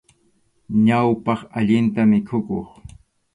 Ñawpaq, allinta mikhukuq.